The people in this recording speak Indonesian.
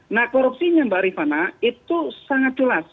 nah korupsinya mbak rifana itu sangat jelas